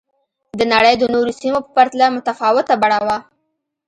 د نړۍ د نورو سیمو په پرتله متفاوته بڼه وه